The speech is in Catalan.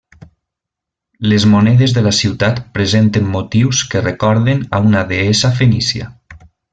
Les monedes de la ciutat presenten motius que recorden a una deessa fenícia.